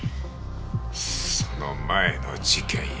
その前の事件へ。